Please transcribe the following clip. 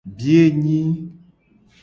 Biye nyi.